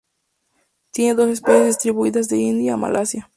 Tiene dos especies distribuidas de India a Malasia.